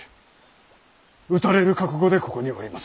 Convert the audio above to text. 討たれる覚悟でここにおりまする。